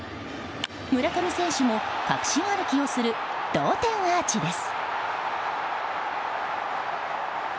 村上選手も確信歩きをする同点アーチです。